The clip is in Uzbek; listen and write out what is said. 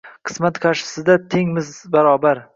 Qismat qarshisida tengmiz, barobar!”